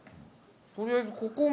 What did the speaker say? とりあえずここ。